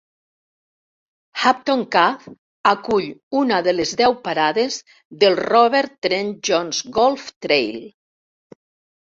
Hampton Cove acull una de les deu parades del Robert Trent Jones Golf Trail.